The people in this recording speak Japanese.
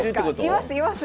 いますいます！